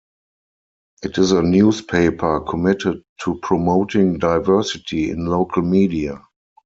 It is a newspaper committed to promoting diversity in local media.